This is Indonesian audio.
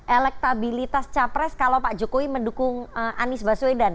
elektabilitas capres kalau pak jokowi mendukung anies baswedan